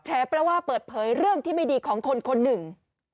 แปลว่าเปิดเผยเรื่องที่ไม่ดีของคนคนหนึ่ง